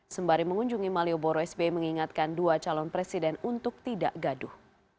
sembari mengunjungi malioboro sbi mengingatkan dua calon presiden untuk tidak gaduh